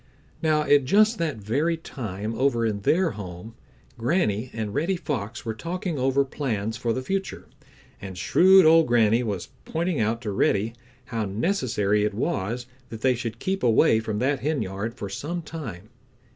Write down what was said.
Now at just that very time over in their home, Granny and Reddy Fox were talking over plans for the future, and shrewd old Granny was pointing out to Reddy how necessary it was that they should keep away from that henyard for some time.